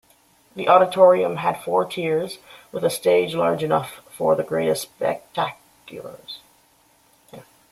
The auditorium had four tiers, with a stage large enough for the greatest spectaculars.